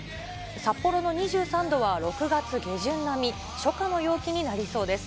札幌の２３度は６月下旬並み、初夏の陽気になりそうです。